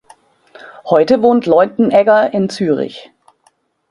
Heute wohnt Leutenegger in Zürich.